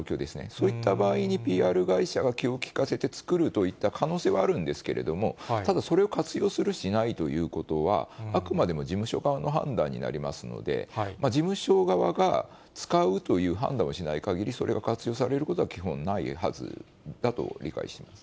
そういった場合にＰＲ会社が気を利かせて作るといった可能性はあるんですけれども、ただ、それを活用する、しないということは、あくまでも事務所側の判断になりますので、事務所側が使うという判断をしないかぎり、それが活用されることは基本ないはずだと理解しています。